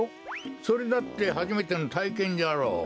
それだってはじめてのたいけんじゃろう。